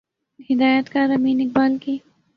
ہدایت کار امین اقبال کی